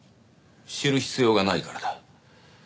知る必要がないからだ。